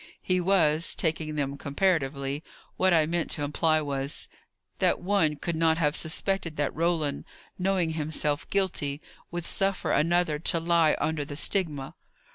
"He was, taking them comparatively. What I meant to imply was, that one could not have suspected that Roland, knowing himself guilty, would suffer another to lie under the stigma.